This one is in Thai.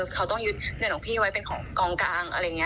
เขาต้องยึดเงินของพี่ไว้เป็นของกองกลางอะไรอย่างนี้